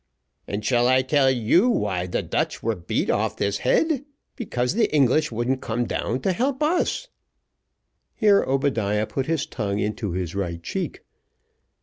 "And shall I tell you why the Dutch were beat off this Head? because the English wouldn't come down to help us." Here Obadiah put his tongue into his right cheek.